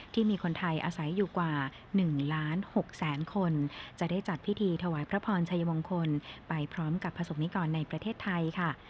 ที่มีคนไทยอาศัยอยู่กว่า๑ล้าน๖แสนคนจะได้จัดพิธีถวายพระพรชัยมงคลไปพร้อมกับประสบนิกรในประเทศไทยค่ะ